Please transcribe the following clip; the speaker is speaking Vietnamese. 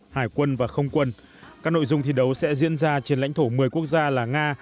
hải quân và không quân các nội dung thi đấu sẽ diễn ra trên lãnh thổ một mươi quốc gia là nga